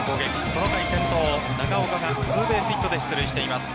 この回先頭・長岡がツーベースヒットで出塁しています。